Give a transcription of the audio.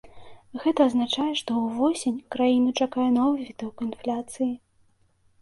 Гэта азначае, што ўвосень краіну чакае новы віток інфляцыі.